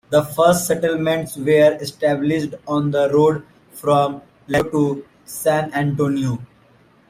The first settlements were established on the road from Laredo to San Antonio.